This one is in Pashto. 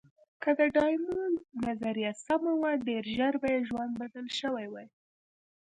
که د ډایمونډ نظریه سمه وه، ډېر ژر به یې ژوند بدل شوی وای.